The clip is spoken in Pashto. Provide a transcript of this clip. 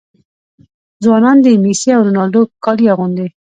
ځوانان د میسي او رونالډو کالي اغوندي.